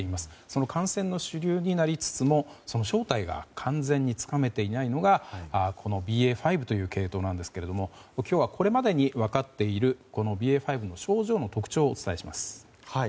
その感染の主流になりつつも正体が完全につかめていないのがＢＡ．５という系統なんですが今日はこれまでに分かっているＢＡ．５の症状の特徴をお伝えします。